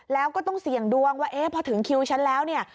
แล้วก็ต้องเสี่ยงดวงว่าเอ๊ะพอถึงคิวฉันแล้วเนี่ย